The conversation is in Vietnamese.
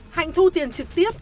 hạnh thu tiền trực tiếp